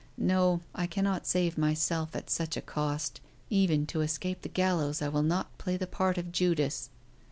"No, I cannot save myself at such a cost. Even to escape the gallows I will not play the part of Judas."